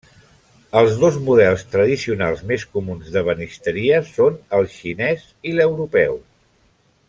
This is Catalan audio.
Els dos models tradicionals més comuns d'ebenisteria són el xinès i l'europeu.